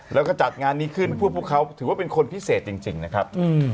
แล้วก็จัดงานนี้ขึ้นพวกเขาถือว่าเป็นคนพิเศษจริงนะครับ